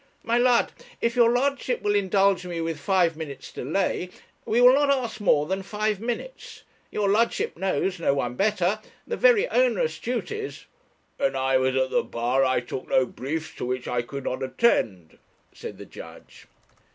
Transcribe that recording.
'My lud, if your ludship will indulge me with five minutes' delay we will not ask more than five minutes your ludship knows, no one better, the very onerous duties ' 'When I was at the bar I took no briefs to which I could not attend,' said the judge.